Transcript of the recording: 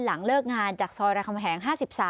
หลังเลิกงานจากซอยรามคำแหง๕๓